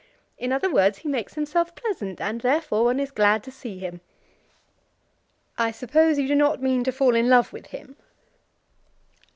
In other words, he makes himself pleasant, and, therefore, one is glad to see him." "I suppose you do not mean to fall in love with him?"